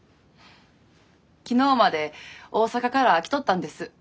昨日まで大阪から来とったんです。